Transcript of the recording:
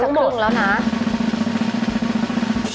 จากครึ่งแล้วนะจากครึ่งแล้วนะ